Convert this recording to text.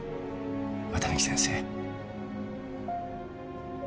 綿貫先生。